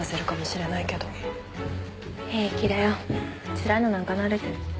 つらいのなんか慣れてる。